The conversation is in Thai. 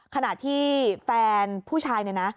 ขณะที่แฟนผู้ชายเนี่ยนะ